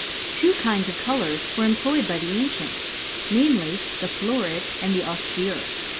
Two kinds of colours were employed by the an cients : namely, the florid and the austere.